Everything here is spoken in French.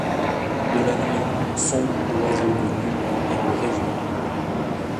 De la nuit, sombre oiseau de nue et de rayons